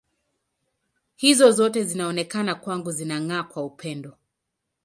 Hizo zote zinaonekana kwangu zinang’aa kwa upendo.